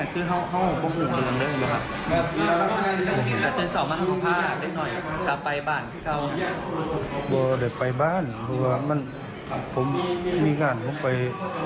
ก็โดดไปบ้านมีการพวกไป